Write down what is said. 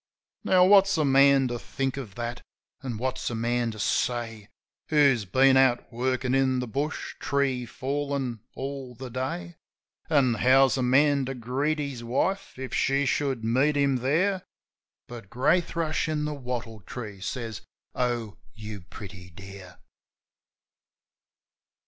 Now what's a man to think of that, an' what's a man to say. Who's been out workin' in the bush, tree fallin', all the day? An' how's a man to greet his wife, if she should meet him here? But Grey Thrush in the wattle tree says, "Oh, you pretty dear!"